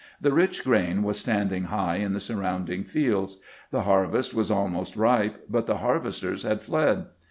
The rich grain was standing high in the surrounding fields. The har vest was almost ripe, but the harvesters had fled.